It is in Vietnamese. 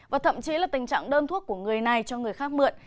và thậm chí là tình trạng đơn thuốc của người này cho người khác mượn